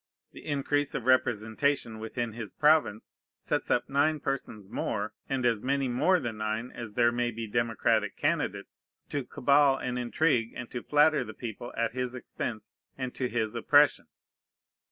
The increase of representation within his province sets up nine persons more, and as many more than nine as there may be democratic candidates, to cabal and intrigue and to flatter the people at his expense and to his oppression.